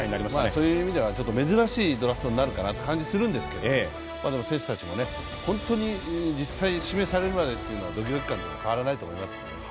そういう意味では、ちょっと珍しいドラフトになるかなという感じがするんですけど、でも、選手たちも、本当に実際指名されるまでのドキドキ感というのは変わらないと思います。